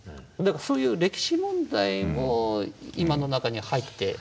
そういう歴史問題も今の中に入って。